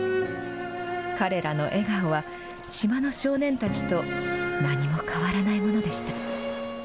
彼らの笑顔は、島の少年たちと何も変わらないものでした。